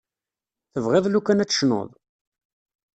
Tebɣiḍ lukan ad tecnuḍ?